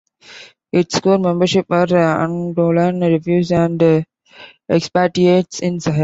Its core membership were Angolan refugees and expatiates in Zaire.